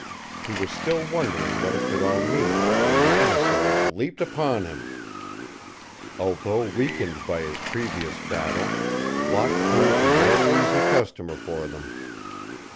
He was still wondering what it could all mean when the emissaries leaped upon him. Although weakened by his previous battle, Locke proved no easy customer for them.